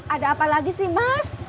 ada apa lagi sih mas